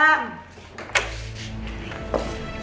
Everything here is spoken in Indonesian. ya terima kasih